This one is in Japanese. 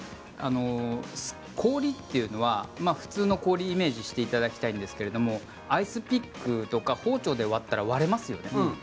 氷っていうのは普通の氷をイメージしていただきたいんですがアイスピックとか包丁で割ったら割れますよね。